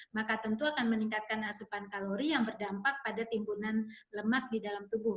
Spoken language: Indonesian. maka tentu akan meningkatkan asupan kalori yang berdampak pada timbunan lemak di dalam tubuh